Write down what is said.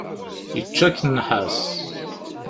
Yečča-k nnḥas.